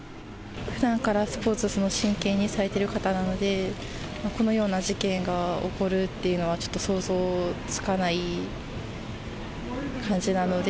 ふだんからスポーツ、真剣にされてる方なので、このような事件が起こるっていうのは、ちょっと想像つかない感じなので。